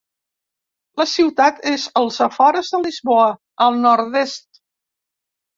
La ciutat és als afores de Lisboa, al nord-est.